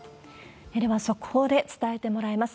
では、速報で伝えてもらいます。